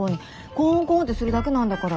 コンコンってするだけなんだから。